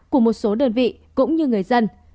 của một số đơn vị cũng như người dân